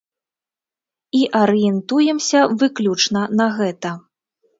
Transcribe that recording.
І арыентуемся выключна на гэта.